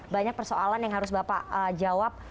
banyak persoalan yang harus bapak jawab